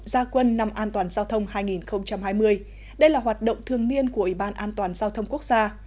gia quân năm an toàn giao thông hai nghìn hai mươi đây là hoạt động thương niên của ủy ban an toàn giao thông quốc gia